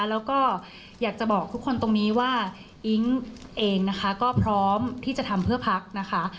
แล้วก็อยากจะบอกทุกคนตรงนี้ว่าอิ๊งเองนะคะก็พร้อมที่จะทำเพื่อพักนะคะ